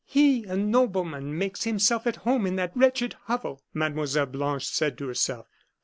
"He, a nobleman, makes himself at home in that wretched hovel!" Mlle. Blanche said to herself.